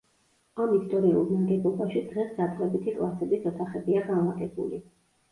ამ ისტორიულ ნაგებობაში დღეს დაწყებითი კლასების ოთახებია განლაგებული.